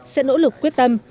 sẽ nỗ lực quyết tâm